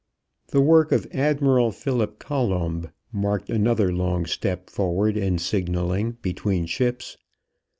The work of Admiral Philip Colomb marked another long step forward in signaling between ships.